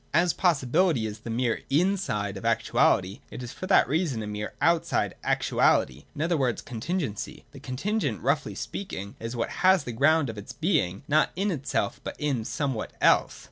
As possibility is the mere inside of actuality, it is for that reason a mere outside actuality, in other words, Contingency. The contingent, roughly speaking, is what has the ground of its being not in itself but in somewhat else.